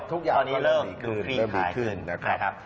ทุกอย่างเริ่มมีขึ้นเริ่มมีขึ้นนะครับตอนนี้เริ่มมีคลิปลายครับ